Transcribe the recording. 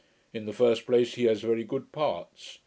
In the first place, he has very good parts.